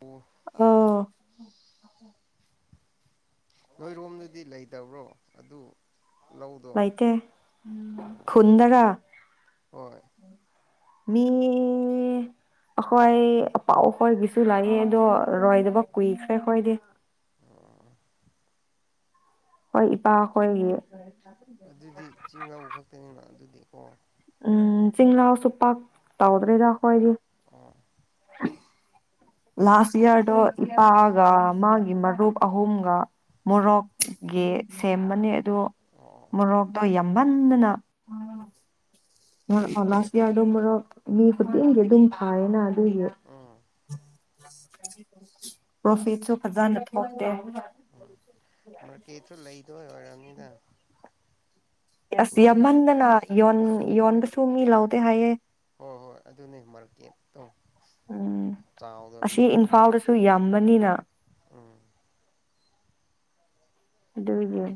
ꯑꯣ ꯑ [unintelligible] ꯅꯣꯏꯔꯣꯝꯗꯨꯗꯤ ꯂꯩꯇꯕ꯭ꯔꯣ ꯑꯗꯨ ꯂꯧꯗꯣ ꯂꯩꯩꯇꯦ ꯈꯨꯗꯔ ꯍꯣꯏ ꯃꯤ ꯑꯩꯈꯣꯏ ꯑꯄꯥꯎ ꯍꯣꯏꯒꯤꯁꯨ ꯂꯥꯛꯑꯦ ꯑꯗꯣ ꯔꯣꯏꯗꯕ ꯀꯨꯏꯈ꯭ꯔꯦ ꯈꯣꯏꯗꯤ ꯑꯣ ꯍꯣꯏ ꯏꯄꯥ ꯈꯣꯏꯒꯤ ꯑꯗꯨꯗꯤ ꯆꯤꯡ ꯂꯧꯎ ꯈꯛꯇꯅꯤꯅ ꯑꯗꯨꯗꯤ ꯑꯣ ꯎꯝ ꯆꯤꯡꯂꯥꯎꯁꯨ ꯄꯥꯛ ꯇꯧꯗ꯭ꯔꯦꯗ ꯑꯩꯈꯣꯏꯗꯤ [unintelligible] ꯂꯥꯁ ꯌꯥꯔꯗꯣ ꯏꯄꯥꯒ ꯃꯥꯒꯤ ꯃꯔꯨꯞ ꯑꯍꯨꯝꯒ ꯃꯣꯔꯣꯛꯀꯤ ꯁꯦꯝꯕꯅꯦ ꯑꯗꯨ ꯑꯣ ꯃꯣꯔꯣꯛꯇꯣ ꯌꯥꯝ ꯌꯥꯝꯃꯟꯗꯅ ꯑꯆꯥ ꯂꯥꯏꯁ ꯏꯌꯔꯗꯣ ꯃꯣꯔꯣꯛ ꯃꯤ ꯈꯨꯗꯤꯡꯒꯤ ꯑꯗꯨꯝ ꯊꯥꯏꯌꯦꯅ ꯑꯗꯨꯏꯒꯤ ꯎꯝ ꯄ꯭ꯔꯣꯐꯦꯠꯁꯨ ꯐꯖꯅ ꯊꯣꯛꯇꯦ ꯃꯔꯀꯦꯠꯁꯨ ꯂꯩꯇꯕꯩ ꯑꯣꯏꯔꯝꯅꯤ [unintelligible] ꯑꯁ ꯌꯥꯝꯃꯟꯗꯅ ꯌꯣꯟ ꯌꯣꯟꯕꯁꯨ ꯃꯤ ꯂꯧꯎꯗꯦ ꯍꯥꯏꯌꯦ ꯍꯣꯏ ꯍꯣꯏ ꯑꯗꯨ ꯅꯦ ꯃꯔꯀꯦꯛꯇꯣ ꯎꯝ ꯑꯁꯤ ꯏꯝꯐꯥꯜꯗꯁꯨ ꯌꯥꯝꯕꯅꯤꯅ ꯎꯝ ꯏꯒꯤꯜ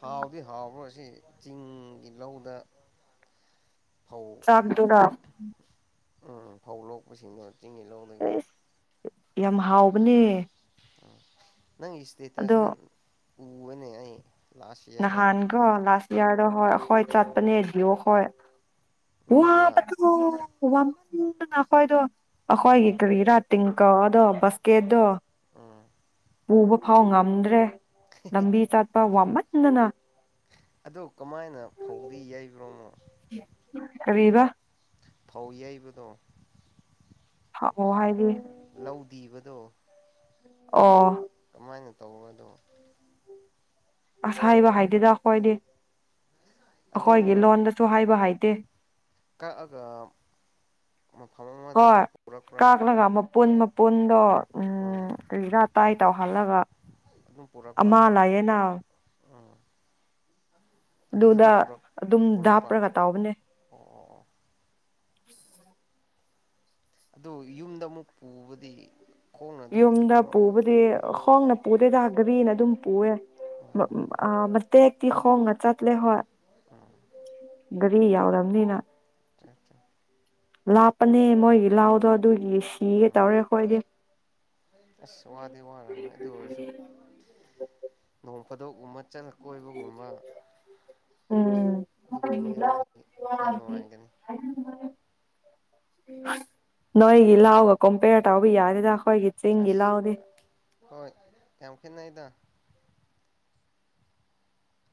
ꯍꯥꯎꯕꯤ ꯍꯥꯎꯕ ꯆꯤꯡꯒꯤ ꯂꯧꯗ ꯐꯧ ꯆꯥꯛꯗꯔꯥ ꯎꯝ ꯐꯧ ꯂꯣꯛꯄꯁꯤꯡꯗꯣ ꯆꯤꯡ ꯂꯧꯗꯗꯒꯤ ꯑꯦꯁ ꯌꯥꯝ ꯍꯥꯎꯕꯅꯦ ꯑꯣꯝ ꯅꯪ ꯑꯗꯣ ꯏꯁꯇꯇꯁꯅ ꯎꯅꯦ ꯅꯍꯥꯟꯒꯣ ꯂꯥꯁ ꯌꯥꯔ ꯍꯣꯏ ꯍꯣꯏ ꯎꯝ ꯆꯠꯄꯅꯤ ꯍꯥꯏꯗꯤꯑꯣ ꯍ ꯋꯥ ꯅꯣꯏꯒꯤꯔꯥ ꯋꯥ ꯎ ꯅꯈꯣꯏꯗꯣ ꯑꯈꯣꯏꯒꯤ ꯎꯝ ꯀꯕꯤ ꯔꯇ ꯀꯥꯎꯗꯣ ꯕꯁꯀꯦꯗꯣ ꯎꯝ ꯄꯨꯕ ꯐꯥꯎ ꯉꯝꯗ꯭ꯔꯦ ꯂꯝꯕꯤ ꯆꯥꯠꯄ ꯋꯥꯃꯗꯅ ꯑ ꯀꯃꯥꯏꯅ ꯐꯧꯗꯤ ꯌꯩꯕ꯭ꯔꯣꯅꯣ ꯀꯕꯤꯕꯥ ꯐꯧ ꯌꯩꯕꯗꯣ ꯍ ꯑꯣ ꯍꯥꯏꯗꯤ ꯂꯧ ꯤꯕꯗꯣ ꯑꯣ ꯁꯃꯥꯏꯅ ꯇꯧꯕꯗꯣ ꯑꯁ ꯍꯥꯏꯥꯏꯕ ꯍꯥ ꯏꯥꯏꯗꯦꯗ ꯀꯣꯏꯗ ꯑꯩꯈꯣꯏꯒꯤ ꯑꯗꯨꯝ ꯂꯣꯟꯗꯁꯨ ꯍꯥꯏꯕ ꯍꯥꯏꯗꯦ ꯀꯛꯑꯒ ꯃꯐꯝ ꯃ ꯑꯗꯨ ꯄꯨꯔꯛꯄ꯭ꯔꯥ ꯑ ꯄꯨꯨꯟꯕ ꯄꯨꯟꯗꯣ ꯎꯝ ꯀꯔꯤ ꯇꯥ ꯇꯥꯏ ꯇꯧꯍꯜꯂꯒ ꯑꯗꯨꯝ ꯑꯃ ꯄꯨꯔꯛꯄ ꯂꯥꯛꯌꯦꯅ ꯎꯝ ꯑꯗꯨꯗ ꯑꯗꯨꯝ ꯄꯨꯔꯛꯄ ꯗꯥꯞꯔꯒ ꯇꯧꯕꯅꯦ ꯑꯣ ꯑꯣ ꯑꯣ ꯑꯗꯨ ꯌꯨꯝꯗ ꯑꯃꯨꯛ ꯄꯨꯕꯗꯤ ꯈꯣꯡꯅ ꯑꯗꯨꯝ ꯌꯨꯝꯗ ꯄꯨꯕ꯭ꯔꯣ ꯄꯨꯕꯗꯤ ꯍꯣꯡꯅ ꯄꯨꯗꯣꯏꯗ ꯒꯥꯔꯤꯅ ꯑꯗꯨꯝ ꯄꯨꯑꯦ ꯎꯝ ꯎꯝ ꯃꯇꯦꯛꯇꯤ ꯈꯣꯡꯅ ꯆꯠꯂꯦ ꯍ ꯎꯝ ꯒꯥꯔꯤ ꯌꯥꯎꯔꯝꯅꯤꯅ ꯑꯆꯥ ꯂꯥꯞꯄꯅꯦ ꯃꯣꯏꯒꯤ ꯂꯥꯛꯑꯣꯗꯣ ꯑꯗꯨꯒꯤ ꯁꯤꯒꯦ ꯎꯝ ꯇꯧꯔꯦ ꯑꯩꯈꯣꯏꯗꯤ ꯑꯁ ꯋꯥꯗꯤ ꯋꯥꯔꯕꯅꯤ ꯑꯗꯨ ꯑꯣꯏꯔꯁꯨ ꯅꯣꯡ ꯐꯗꯧꯑꯃꯠ ꯆꯅ ꯀꯣꯏꯕꯒꯨꯝꯕ ꯎꯝ ꯑꯗꯨꯒꯨꯝꯕꯒꯤꯗꯨꯗꯤ ꯈꯔ ꯅꯨꯡꯉꯥꯏꯒꯅꯤ ꯅꯣꯏꯒꯂ ꯍꯄ ꯀꯝꯄꯦꯌꯔ ꯇꯧꯕ ꯌꯥꯗꯦꯗ ꯑꯩꯈꯣꯏꯒꯤ ꯆꯤꯡꯒꯤ ꯑꯁ ꯂꯥꯎꯗꯤ ꯍꯣꯏ ꯌꯥꯝ ꯈꯦꯠꯅꯩꯗ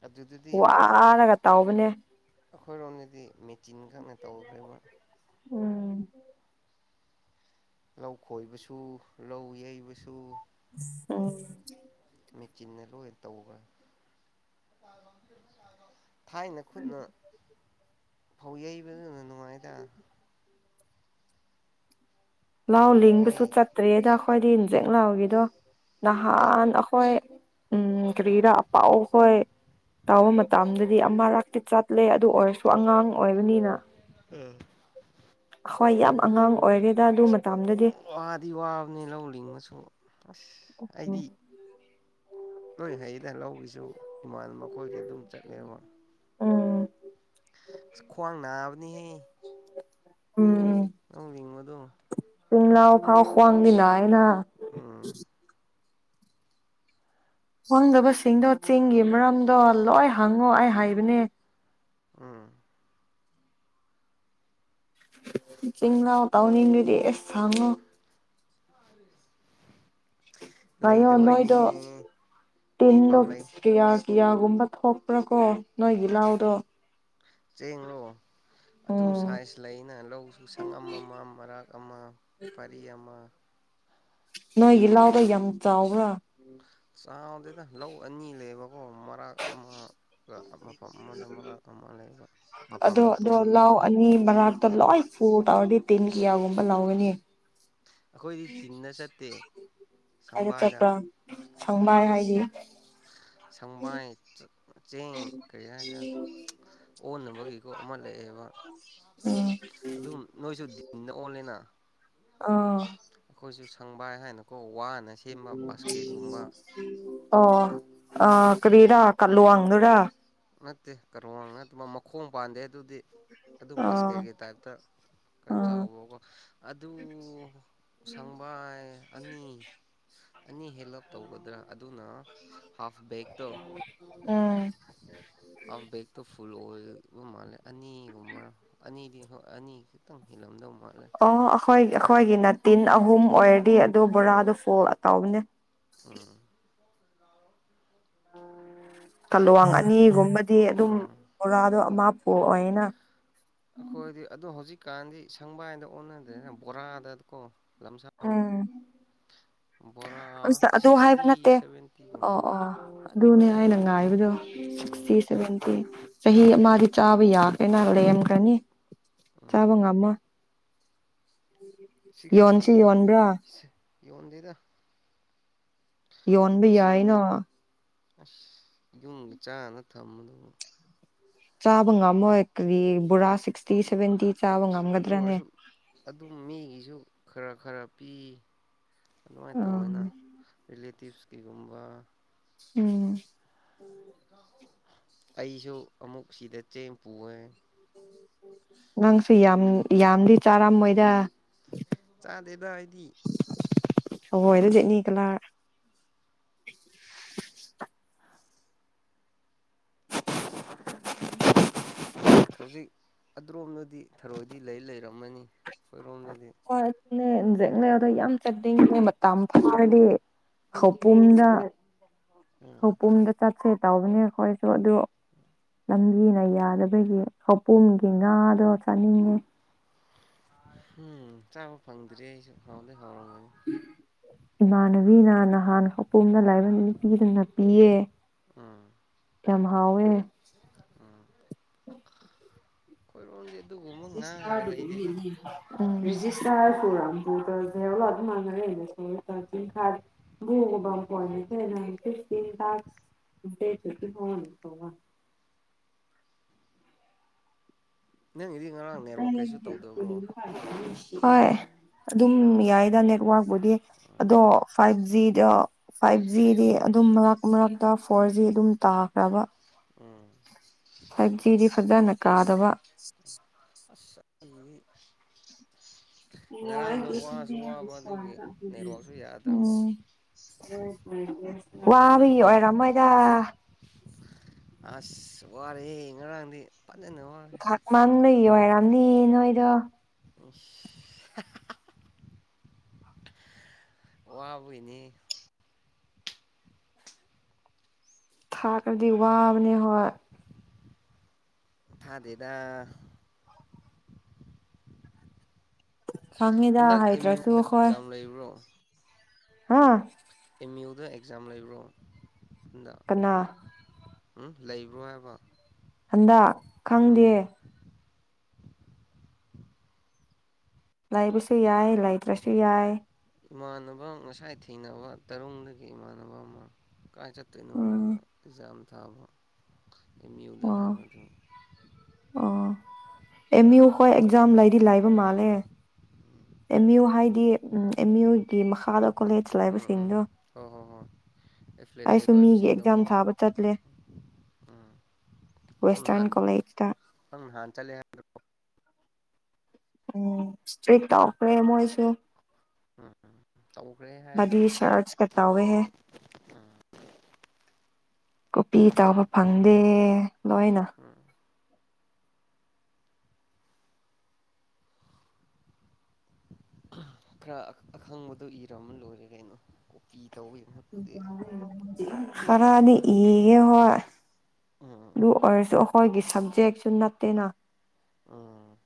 ꯑꯗꯨꯗꯗꯤ ꯋꯥꯔꯒ ꯇꯧꯕꯅꯦ ꯑꯩꯈꯣꯏꯔꯣꯝꯗꯗꯤ ꯃꯦꯆꯤꯟ ꯈꯛꯅ ꯇꯧꯈ꯭ꯔꯕ ꯎꯝ ꯂꯧ ꯈꯣꯏꯕꯁꯨ ꯂꯧ ꯌꯩꯕꯁꯨ ꯑꯝ ꯃꯤ ꯆꯅꯦ ꯂꯦ ꯇꯧꯒ ꯊꯥꯏꯅ ꯈꯨꯠꯅ ꯐꯧ ꯌꯩꯕꯗꯨꯅ ꯅꯨꯡꯉꯥꯏꯗ ꯂꯥꯎ ꯍꯣꯏ ꯂꯤꯡꯕꯁꯨ ꯆꯠꯇ꯭ꯔꯔꯤꯦꯗ ꯑꯩꯈꯣꯏꯗꯤ ꯏꯟꯖꯦꯛ ꯂꯥꯎꯒꯤꯗꯣ ꯍꯩ ꯅꯍꯥꯟ ꯑꯩꯈꯣꯏ ꯎꯝ ꯀꯔꯤꯗ ꯑꯄꯥꯎ ꯍꯣꯏ ꯇꯥꯕ ꯃꯇꯝꯗ ꯍꯥꯏꯗꯤ ꯑꯃꯛꯇꯤ ꯆꯠꯂꯦ ꯑꯗꯨ ꯑꯣꯏꯔꯁꯨ ꯑꯉꯥꯡ ꯑꯣꯏꯕꯅꯤꯅ ꯎꯝ ꯍꯣꯏ ꯌꯥꯕ ꯑꯁ ꯋꯥꯗꯤ ꯋꯥꯕꯅꯦ ꯂꯧ ꯂꯤꯡꯉꯁꯨ ꯑꯁ ꯑꯩꯗꯤ ꯂꯣꯏ ꯍꯌꯦꯡꯗ ꯂꯧꯒꯤꯁꯨ ꯏꯃꯥꯟ ꯑꯩꯈꯣꯏꯒꯤ ꯑꯗꯨꯝ ꯆꯠꯂꯦꯕ ꯎꯝ ꯑꯁ ꯈ꯭ꯋꯥꯡ ꯅꯥꯕꯅꯤꯍ ꯂꯧ ꯂꯤꯡꯕꯗꯣ ꯇꯅ ꯐꯥꯎ ꯁꯋꯥꯡꯂꯤꯅ ꯑꯩꯅ [inaudible] ꯎꯝ ꯈꯪꯗꯕꯁꯤꯡꯗꯣ ꯆꯤꯡꯒꯤ ꯃꯔꯝꯗꯣ ꯂꯣꯏ ꯍꯪꯉꯣ ꯑꯩ ꯍꯥꯏꯕꯅꯦ ꯎꯝ ꯆꯤꯡꯅꯥꯎ ꯇꯥꯎꯅꯤꯡꯗꯨꯗꯤ ꯑꯦꯁ ꯁꯥꯥꯡꯉꯣ ꯑꯣ ꯅꯣꯏꯗꯣ ꯂꯩꯇꯕꯩꯅꯤꯅꯦ ꯇꯤꯟꯗꯣ ꯃꯐꯝ ꯂꯩ ꯀꯌꯥ ꯀꯤꯌꯥꯒꯨꯝꯕ ꯊꯣꯛꯄ꯭ꯔꯥ ꯀꯣ ꯅꯣꯏꯒꯤ ꯂꯥꯎꯗꯣ ꯆꯦꯡꯡꯂꯣ ꯑꯗꯨꯝ ꯎꯝ ꯁꯥꯏꯖ ꯂꯩꯅ ꯂꯧꯁꯨ ꯁꯪꯉꯝ ꯑꯃ ꯃꯔꯥꯛ ꯑꯃ ꯄꯔꯤ ꯑꯃ ꯅꯣꯏꯒꯤꯜ ꯂꯥꯎꯗꯣ ꯌꯥꯝ ꯆꯥꯎꯕ꯭ꯔꯥ ꯊꯥꯎꯗꯦꯗꯥ ꯂꯧ ꯑꯅꯤ ꯂꯩꯌꯦꯕꯀꯣ ꯃꯔꯥꯛ ꯑꯃꯒ ꯃꯐꯝ ꯑꯃꯗ ꯃꯔꯛ ꯑꯃ ꯂꯩꯕ ꯑꯗꯣ ꯃꯐꯝꯗ ꯑꯗꯣ ꯇꯣꯉꯥꯟꯕ ꯂꯥꯎ ꯑꯅꯤ ꯃꯅꯥꯛꯇ ꯂꯣꯏ ꯐ꯭ꯔꯨꯠ ꯇꯧꯔꯗꯤ ꯇꯤꯟ ꯀꯤꯌꯥꯒꯨꯝꯕ ꯂ ꯂꯧꯒꯅꯤ ꯑꯩꯈꯣꯏꯗꯤ ꯇꯤꯟꯅ ꯆꯠꯇꯦ ꯑ ꯁꯪꯕꯥꯏꯗ ꯆꯄ꯭ꯔꯣ ꯁꯪꯕ ꯍꯥꯏꯗꯤ ꯁꯪꯕꯥꯏ ꯆꯦꯡ ꯀꯔꯤ ꯍꯥꯏꯁꯦ ꯑꯣꯟꯅꯕꯒꯤꯀꯣ ꯑꯃ ꯂꯩꯑꯦꯕ ꯎꯝ ꯑꯗꯨꯝ ꯅꯣꯏꯁꯨ ꯗꯤꯟꯅ ꯑꯣꯜꯂꯦꯅ ꯑ ꯁꯪꯕꯥꯏ ꯍꯥꯏꯅꯨꯀꯣ [unintelligible] ꯑꯣ ꯑ ꯀꯔꯤꯔꯥ ꯀꯜꯂꯨꯋꯥꯡꯗꯨꯔ ꯅꯠꯇꯦ ꯀꯩꯅꯣ ꯅꯠꯇ ꯃꯈꯣꯡ ꯄꯥꯟꯗꯦ ꯑꯗꯨꯗꯤ ꯑꯗꯨꯝ ꯑꯥ ꯕꯁꯀꯦꯠꯀꯤ ꯇꯥꯏꯞꯇ ꯈꯔ ꯑꯥ ꯆꯥꯎꯕꯀꯣ ꯑꯗꯨ ꯁꯪꯕꯥꯏ ꯑꯅꯤ ꯑꯅꯤ ꯍꯦꯜꯂꯞ ꯇꯧꯒꯗ꯭ꯔꯥ ꯑꯗꯨꯅ ꯍꯥꯐ ꯎꯝ ꯑꯕꯛꯇꯨꯞ ꯐꯣꯕ ꯃꯥꯜꯂꯦ ꯑꯅꯤꯒꯨꯝꯕꯔ ꯑꯅꯤꯗꯤ ꯍꯣꯏ ꯑꯅꯤ ꯈꯤꯇꯪ ꯍꯦꯜꯂꯝꯗꯕ ꯑꯣ ꯑꯩꯈꯣꯏꯈꯣꯏꯒꯤ ꯅꯠ ꯇꯤꯟ ꯑꯍꯨꯝ ꯑꯣꯏꯔꯗꯤ ꯑꯗꯣ ꯕꯣꯔꯥꯗꯣ ꯐꯣꯜ ꯀꯥꯎꯕꯅꯦ ꯎꯝ ꯀꯂꯋꯥꯡ ꯑꯗꯣ ꯑꯅꯤꯒꯨꯝꯕꯗꯤ ꯑꯗꯨꯝ ꯎꯝ ꯕꯣꯔꯥꯗꯣ ꯑꯃ ꯑꯣ ꯑꯅ ꯑꯩꯈꯣꯏꯗꯤ ꯑꯗꯣ ꯍꯧꯖꯤꯛ ꯀꯖꯤ ꯀꯥꯟꯗꯤ ꯁꯪꯕꯥꯏꯗ ꯑꯣꯟꯅꯗ꯭ꯔꯦꯅ ꯕꯣꯔꯥꯗ ꯀꯣ ꯂꯝꯁꯥꯡ ꯎꯝ ꯕꯣꯔꯥ ꯑꯁ ꯑꯗꯨ ꯍꯥꯏꯕ ꯁꯤꯛꯁꯇꯤ ꯅꯠꯇꯦ ꯑꯣ ꯁꯚꯦꯟꯇꯤꯒꯨꯝꯕ ꯑꯣ ꯑꯗꯨꯅꯦ ꯑꯩꯅ ꯉꯥꯏꯕꯗꯣ ꯎꯝ ꯁꯤꯛꯁꯇꯤ ꯁꯦꯚꯦꯟꯇꯤ ꯆꯍꯤ ꯑꯃꯒꯤ ꯆꯥꯕ ꯌꯥꯈ꯭ꯔꯦꯅ ꯂꯩꯔꯝꯈ꯭ꯔꯅꯤ ꯎꯝ ꯆꯥꯕꯒ ꯑꯃ ꯌꯣꯟꯁꯤ ꯁꯤꯁꯇꯤ ꯌꯣꯟꯕ꯭ꯔꯥ ꯍꯗꯤꯇ ꯌꯣꯟꯕ ꯌꯥꯏꯅ ꯑꯁ ꯌꯨꯝꯒ ꯆꯥꯅ ꯊꯝꯝꯕꯗꯕ ꯆꯥꯕ ꯉꯝꯃꯣꯏ ꯀꯔꯤ ꯕꯣꯔꯥ ꯁꯤꯛꯁꯇꯤ ꯁꯚꯦꯟꯇꯤ ꯆꯥꯕ ꯑꯗꯨ ꯉꯝꯒꯗ꯭ꯔꯅꯦ ꯑꯣꯏꯔꯁꯨ ꯑꯗꯨꯝ ꯃꯤꯒꯤꯁꯨ ꯈꯔ ꯈꯔ ꯄꯤ ꯑꯗꯨꯃꯥꯏꯅ ꯇꯧꯅ ꯎꯝ ꯔꯤꯂꯦꯇꯤꯞꯁ ꯀꯒꯨꯝꯕ ꯎꯝ ꯑꯩꯁꯨ ꯑꯃꯨꯛ ꯁꯤꯗ ꯆꯦ ꯄꯨꯑꯦ ꯅꯪꯁꯨ ꯌꯥꯝ ꯌꯥꯝꯗꯤ ꯆꯥꯔꯝꯃꯣꯏꯗ ꯆꯥꯗꯦꯗ ꯍꯥꯏꯗꯤ ꯍꯂ ꯌꯦꯠꯅꯤ ꯀꯂꯥ ꯍꯧꯖꯤꯛ ꯑ꯭ꯔꯣꯝꯅꯗꯤ ꯊꯔꯣꯏꯗꯤ ꯂꯩ ꯂꯩꯔꯝꯃꯅꯤ ꯍ ꯟ ꯂꯩꯗ ꯌꯥꯝ ꯆꯠꯅꯤꯡꯕ ꯃꯇꯝ ꯐꯠꯇ꯭ꯔꯗꯤ ꯈꯄꯨꯝꯗ ꯍ ꯎꯝ ꯄꯨꯡꯗ ꯆ ꯆꯣꯠꯁꯦ ꯇꯧꯕꯅꯦ ꯑꯩꯈꯣꯏꯁꯨ ꯑꯗꯨ ꯂꯝꯕꯤꯅ ꯌꯥꯗꯕꯒꯤ ꯂꯧꯄꯨꯝꯒꯤ ꯉꯥꯗꯣ ꯆꯥꯅꯤꯡꯉꯦ ꯎꯝ ꯆꯥꯕ ꯐꯪꯗ꯭ꯔꯤ ꯑꯩꯁꯨ ꯍꯥꯎꯗꯤꯦ ꯍꯥꯎꯔꯝꯒꯅꯤ ꯏꯃꯥꯟꯅꯕꯤꯅ ꯅꯍꯥꯟ ꯍꯄꯨꯝꯅ ꯂꯥꯏꯕ ꯅꯤ ꯄꯤꯗꯅ ꯄꯤꯌꯦꯦ ꯎꯝ ꯌꯥꯝ ꯍꯥꯎꯋꯦ ꯀꯣꯏ ꯔꯣ ꯖꯤꯁꯇꯥ ꯝꯖꯦꯂ ꯑꯗꯨ ꯃꯅꯔꯦꯄꯤꯟ ꯇꯅꯤ ꯅꯪꯒꯤꯗꯤ ꯉꯔꯥꯡ ꯑ ꯅꯦꯠꯋꯥꯛ ꯀꯩꯁꯨ ꯇꯧꯗꯕ꯭ꯔꯣ ꯍꯣꯏ ꯑꯗꯨꯝ ꯌꯥꯏꯗ ꯅꯦꯠꯋꯥꯛꯛꯄꯕꯨꯗꯤ ꯑꯗꯣ ꯐꯥꯏꯚ ꯖꯤ ꯌꯥ ꯐꯥꯏꯚ ꯖꯤꯗꯤ ꯑꯗꯨꯝ ꯃꯔꯛ ꯀ ꯃꯔꯥꯛ ꯐꯣꯔ ꯖꯤ ꯑꯗꯨꯝ ꯇꯥꯈ꯭ꯔꯕ ꯎꯝ ꯁꯖꯤꯗꯤ ꯐ꯭ꯔꯙꯅ ꯀꯥꯗꯕ ꯑ ꯋꯥꯕ ꯑꯗꯨꯒꯤ ꯑꯣ ꯅꯦꯠꯋꯥꯛꯁꯨ ꯌꯥꯗ꯭ꯔꯕ ꯎꯝ ꯋꯥꯕꯤ ꯇꯨꯝꯃꯒ ꯑꯣꯏꯔꯝꯃꯣꯏꯗ ꯑꯁ ꯋꯥꯔꯦ ꯉꯔꯥꯡꯗꯤ ꯐꯖꯅ ꯋꯥꯔꯦ ꯊꯛ ꯃꯥꯡ ꯂꯩ ꯍꯥꯏꯔꯥꯝꯅꯤ ꯅꯣꯏꯗꯣ ꯑꯣ ꯋꯥꯕꯨꯏꯅꯤ ꯊꯥ ꯀꯗꯤ ꯋꯥꯕꯅꯤ ꯍꯣꯏ ꯊꯥꯗꯦꯗ ꯈꯪꯉꯤꯗ ꯍꯟꯗꯛ ꯑꯦꯝ ꯍꯩꯇ꯭ꯔꯁꯨ ꯑꯩ ꯌꯨꯗ ꯍꯈꯣꯏ ꯑꯦꯛꯖꯥꯝ ꯂꯩꯕ꯭ꯔꯣ ꯍꯥꯥ ꯑꯦꯝ ꯌꯨ ꯗ ꯑꯦꯛꯖꯥꯝ ꯂꯩꯕ꯭ꯔꯣ ꯍꯟꯗꯛ ꯀꯅꯥ ꯎꯝ ꯂꯩꯕ꯭ꯔꯣ ꯍꯥꯏꯕ ꯍꯟꯗꯛ ꯈꯪꯗꯦ ꯎꯝ ꯂꯩꯕꯁꯨ ꯌꯥꯏ ꯂꯩꯇ꯭ꯔꯁꯨ ꯌꯥꯏ ꯏꯃꯥꯟꯅꯕ ꯉꯁꯥꯏ ꯊꯦꯡꯅꯕ ꯇꯔꯨꯡꯗꯒꯤ ꯏꯃꯥꯟꯅꯕ ꯑꯃ ꯀꯥ ꯆꯇꯅ ꯎꯝ ꯑꯦꯖ ꯌꯥꯝ ꯇꯕ ꯌꯨꯗ ꯑꯣ ꯍꯥꯏ ꯃꯥꯗꯨ ꯑꯣ ꯑꯦꯝ ꯌꯨ ꯍꯣꯏ ꯑꯦꯛꯖꯥꯝ ꯂꯩꯗꯤ ꯂꯥꯏꯕ ꯃꯥꯜꯂꯦ ꯎꯝ ꯑꯦꯝ ꯌꯨ ꯍꯥꯏꯗꯤ ꯎ ꯑꯦꯝ ꯌꯨꯒꯤ ꯃꯈꯥꯗ ꯀꯣꯂꯦꯖ ꯎꯝ ꯂꯩꯕꯁꯤꯡꯗꯣ ꯍꯣꯏ ꯍꯣꯏ ꯍꯣꯏ ꯑꯦꯐꯤꯂꯦꯇꯦꯠ ꯑꯩꯁꯨ ꯃꯤꯒꯤ ꯑꯦꯛꯖꯥꯝ ꯑꯣꯏꯕꯁꯤꯡꯗꯣꯀꯣ ꯊꯥꯕ ꯆꯠꯂꯦ ꯎꯝ ꯋꯦꯁꯇꯔꯟ ꯅꯍꯥꯟ ꯀꯣꯂꯦꯖꯇ ꯅꯪ ꯅꯍꯥꯟ ꯆꯠꯂꯦ ꯍꯥꯏꯕꯗꯣ ꯎꯝ ꯏꯁꯇ꯭ꯔꯤꯛ ꯇꯧꯈ꯭ꯔꯦ ꯃꯣꯏꯁꯨ ꯎꯝ ꯇꯧꯈ꯭ꯔꯦ ꯍꯥꯏ ꯕꯗꯤ ꯁꯔꯁ ꯀ ꯇꯧ ꯋꯦꯍꯦ ꯀꯣꯄꯤ ꯇꯥꯕ ꯐꯪꯗꯦ ꯂꯣꯏꯅ ꯎꯝ ꯈꯔ ꯑꯈꯪꯕꯗꯣ ꯏꯔꯝꯃ ꯂꯣꯏꯔꯦ ꯀꯩꯅꯣ ꯇꯧꯕꯒꯤ ꯃꯍꯨꯠꯄꯨꯗꯤ ꯈꯔꯗꯤ ꯏꯒꯦ ꯍꯣꯏ ꯎꯝ ꯂ ꯑꯣꯏꯔꯁꯨ ꯑꯩꯈꯣꯏꯒꯤ ꯁꯕꯖꯦꯛꯁꯨ ꯅꯠꯇꯦꯅ ꯎꯝ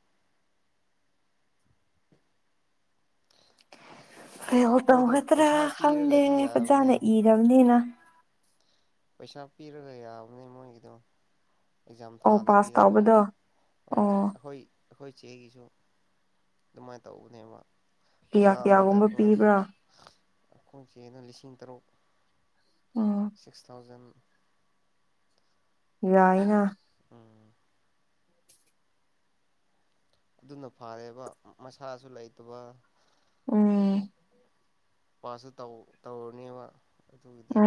ꯀꯩꯣ ꯃꯣꯏꯗꯣ ꯇꯧꯒꯗ꯭ꯔꯥ ꯄꯩꯁꯥ ꯈꯪꯗꯦ ꯄꯤꯔꯒꯗꯤ ꯌꯥꯕꯅꯦ ꯐꯖꯅ ꯏꯔꯕꯅꯤꯅ ꯄꯩꯁꯥ ꯄꯤꯔꯒ ꯌꯥꯕꯅꯦ ꯃꯣꯏꯒꯤꯗꯣ ꯑꯦꯛꯖꯥꯝ ꯑꯣ ꯄꯥꯁ ꯊꯥꯗꯕꯤꯗꯀꯣ ꯇꯧꯕꯗꯣ ꯑꯣ ꯑꯣ ꯑꯩꯈꯣꯏ ꯑꯩꯈꯣꯏ ꯆꯦꯒꯤꯁꯨ ꯑꯗꯨꯃꯥꯏꯅ ꯇꯧꯕꯅꯦꯕ ꯀꯌꯥ ꯑꯣꯖꯥ ꯑꯃꯗ ꯀꯌꯥꯒꯨꯝꯕ ꯉꯥꯡꯅ ꯄꯤꯕ꯭ꯔꯥ ꯑꯩꯈꯣꯏ ꯆꯦꯅ ꯂꯤꯁꯤꯡ ꯇꯔꯨꯛ ꯎꯝ ꯁꯤꯛꯁ ꯊꯥꯎꯖꯟ ꯌꯥꯏꯅ ꯎꯝ ꯑꯗꯨꯅ ꯐꯔꯦꯕ ꯃꯁꯥꯁꯨ ꯂꯩꯇꯕ ꯎꯝ ꯄꯁꯨ ꯇꯧ ꯇꯧꯅꯤꯕ ꯑꯗꯨꯒꯤꯗꯤ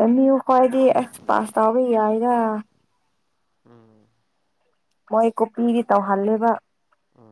ꯑꯃꯤ ꯀꯏꯗꯤ ꯑꯁ ꯄꯥꯁ ꯇꯥꯕ ꯌꯥꯏꯒ ꯎꯝ ꯃꯣꯏ ꯀꯨꯞꯄꯤꯗꯤ ꯇꯧꯍꯂꯕ ꯎ